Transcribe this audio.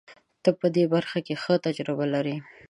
ته په دې برخه کې ښه تجربه لرې.